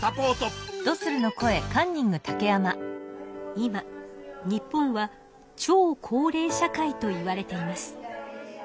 今日本は超高齢社会といわれています。